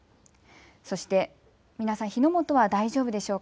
そして皆さん、火の元は大丈夫でしょうか。